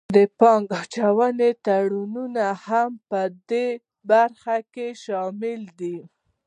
د پانګې اچونې تړونونه هم پدې برخه کې شامل دي